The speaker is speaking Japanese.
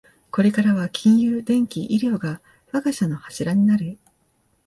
これからは金融、電機、医療が我が社の柱になる